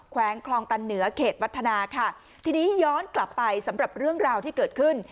วงคลองตันเหนือเขตวัฒนาค่ะทีนี้ย้อนกลับไปสำหรับเรื่องราวที่เกิดขึ้น